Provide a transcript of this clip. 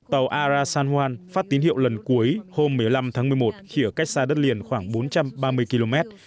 tàu ara sanwan phát tín hiệu lần cuối hôm một mươi năm tháng một mươi một khi ở cách xa đất liền khoảng bốn trăm ba mươi km